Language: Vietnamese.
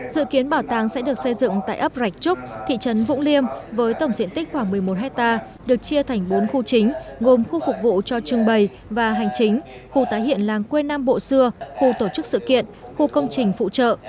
dự kiến bảo tàng sẽ được xây dựng tại ấp rạch trúc thị trấn vũng liêm với tổng diện tích khoảng một mươi một hectare được chia thành bốn khu chính gồm khu phục vụ cho trưng bày và hành chính khu tái hiện làng quê nam bộ xưa khu tổ chức sự kiện khu công trình phụ trợ